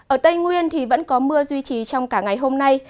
ở tây nguyên thì vẫn có mưa duy trì trong cả ngày hôm nay